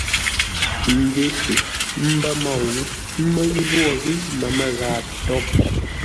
N ndese ə́ mbə́ môu, ə́ mə́ njwô ghíʼ məmə́ ghâa tôghʼ.